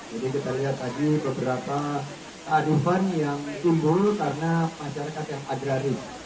jadi kita lihat tadi beberapa aduan yang tumbuh karena masyarakat yang agraris